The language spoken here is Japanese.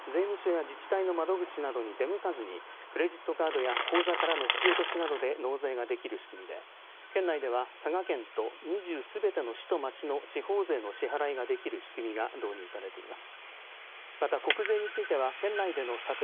キャッシュレス納付は税務署や自治体の窓口などに出向かずにクレジットカードや口座からの引き落としなどで納税ができる仕組みで県内では佐賀県と２０すべての市と町の地方税の支払いができる仕組みが導入されています。